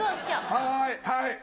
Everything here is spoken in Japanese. はいはい。